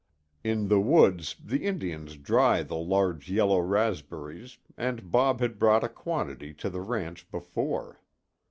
In the woods, the Indians dry the large yellow raspberries and Bob had brought a quantity to the ranch before.